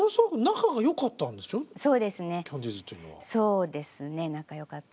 そうですね仲よかったです。